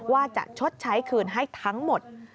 ว่าจะชดใช้คืนให้ทั้งหมด